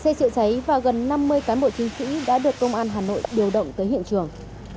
một xe chữa cháy và gần năm mươi cán bộ chiến sĩ đã được công an hà nội điều động tới hiện trường